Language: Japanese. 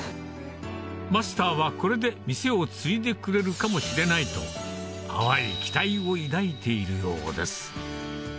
マスターはこれで店を継いでくれるかもしれないと淡い期待を抱いているようです